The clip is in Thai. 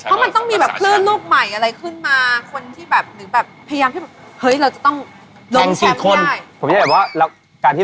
เพราะมันต้องมีแบบพลื่นลูกใหม่อะไรขึ้นมา